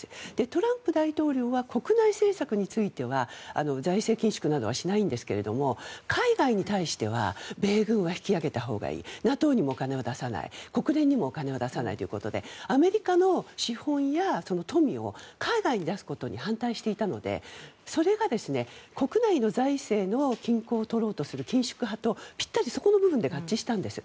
トランプ大統領は国内政策については財政緊縮などはしないんですが海外に対しては米軍は引き揚げたほうがいいＮＡＴＯにも金を出さない国連にもお金を出さないということでアメリカの資本や富を海外に出すことに反対していたのでそれが国内の財政の均衡を取ろうとする緊縮派とぴったりそこの部分で合致したんです。